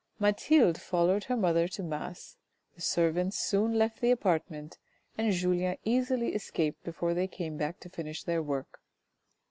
Mathilde followed her mother to mass, the servants soon left the apartment and Julien easily escaped before they came back to finish their work.